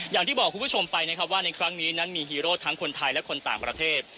อย่างที่บอกคุณผู้ชมไปนะครับว่าในครั้งนี้นั้นมีฮีโร่ทั้งคนไทยและคนต่างประเทศ